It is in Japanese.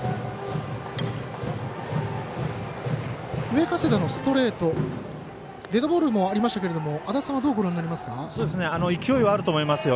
上加世田のストレートデッドボールもありましたが足達さんはどうご覧になりますか。